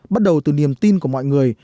bắt đầu từ niềm tin của mọi người